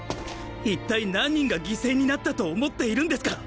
いったい何人が犠牲になったと思っているんですか！